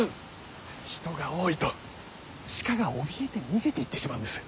人が多いと鹿がおびえて逃げていってしまうんです。